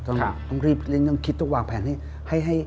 ต้องรีบต้องคิดต้องวางแพงให้